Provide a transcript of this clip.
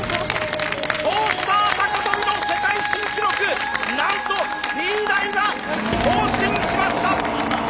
トースター高跳びの世界新記録なんとＴ大が更新しました！